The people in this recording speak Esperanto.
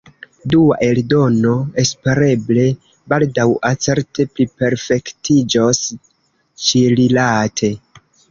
Dua eldono, espereble baldaŭa, certe pliperfektiĝos ĉirilate.